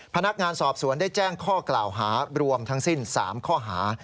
พนักงานสอบสวนได้แจ้งข้อกล่าวหารวมทั้งสิ้น๓ข้อหา